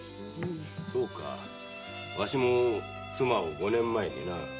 そうかわしも妻を五年前にな。